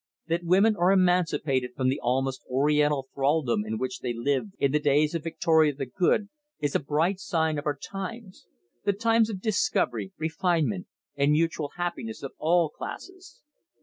That women are emancipated from the almost Oriental thraldom in which they lived in the days of Victoria the Good is a bright sign of our times the times of discovery, refinement, and mutual happiness of all classes.